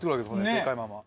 でかいまま。